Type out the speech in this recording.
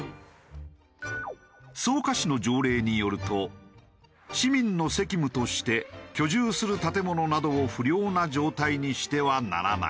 草加市の条例によると市民の責務として居住する建物などを不良な状態にしてはならない。